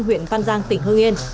huyện văn giang tỉnh hương yên